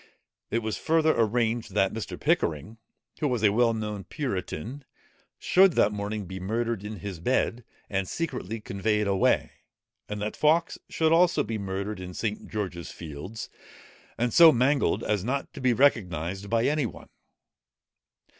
It was further arranged, that Mr. Pickering, who was a well known puritan, should that morning be murdered in his bed, and secretly conveyed away; and that Fawkes also should be murdered in St. George's Fields, and so mangled, as not to be recognized by any one.